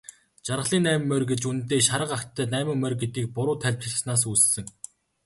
Жаргалын найман морь гэж үнэндээ шарга агттай найман морь гэдгийг буруу тайлбарласнаас үүссэн.